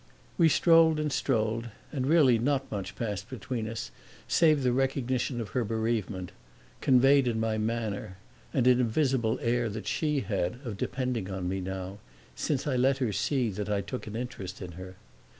We strolled and strolled and really not much passed between us save the recognition of her bereavement, conveyed in my manner and in a visible air that she had of depending on me now, since I let her see that I took an interest in her.